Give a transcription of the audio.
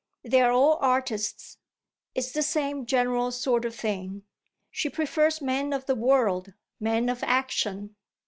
They're all artists; it's the same general sort of thing. She prefers men of the world men of action."